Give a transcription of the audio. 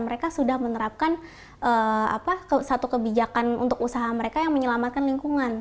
mereka sudah menerapkan satu kebijakan untuk usaha mereka yang menyelamatkan lingkungan